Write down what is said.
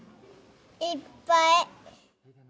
いっぱい。